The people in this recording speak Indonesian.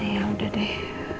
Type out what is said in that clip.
ya udah deh